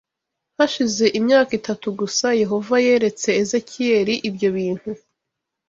Hashize imyaka itatu gusa Yehova yeretse Ezekiyeli ibyo bintu